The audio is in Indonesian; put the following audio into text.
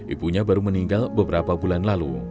ibunya baru meninggal beberapa bulan lalu